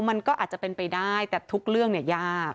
มันก็อาจจะเป็นไปได้แต่ทุกเรื่องเนี่ยยาก